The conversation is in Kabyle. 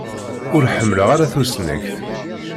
Ur ḥemmleɣ ara tusnakt.